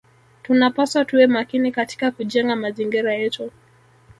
Tunapaswa tuwe makini katika kujenga mazingira yetu